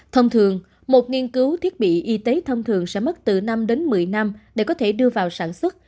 thông thường một nghiên cứu thiết bị y tế thông thường sẽ mất từ năm đến một mươi năm để có thể đưa vào sản xuất